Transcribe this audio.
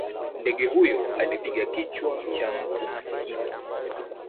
ndege huyo alipiga kichwa cha mtu masikini